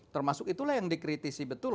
termasuk itulah yang dikritisi betul